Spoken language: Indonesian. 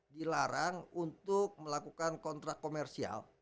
dilarang untuk melakukan kontrak komersial